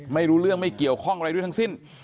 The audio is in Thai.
ไม่รู้เรื่องไม่เกี่ยวข้องอะไรด้วยทั้งสิ้น